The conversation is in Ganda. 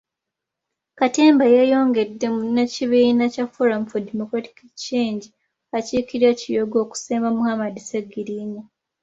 Katemba yeeyongedde munnakibiina kya Forum for Democratic Change akiikirira Kiyoga okusemba Muhammad Sseggirinya.